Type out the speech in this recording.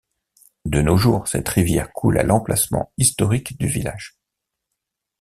De nos jours, cette rivière coule à l'emplacement historique du village.